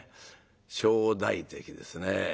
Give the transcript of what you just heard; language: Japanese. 正代関ですね。